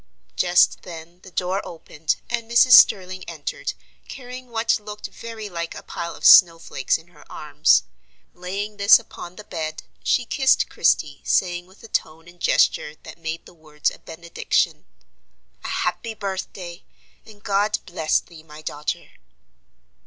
Just then the door opened, and Mrs. Sterling entered, carrying what looked very like a pile of snow flakes in her arms. Laying this upon the bed, she kissed Christie, saying with a tone and gesture that made the words a benediction: "A happy birthday, and God bless thee, my daughter!"